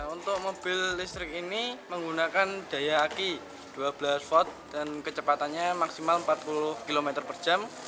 untuk mobil listrik ini menggunakan daya aki dua belas volt dan kecepatannya maksimal empat puluh km per jam